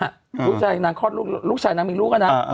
ลูกชายนางคลอดลูกลูกชายนางมีลูกอะนะ